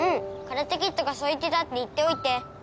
カラテキッドがそう言ってたって言っておいて。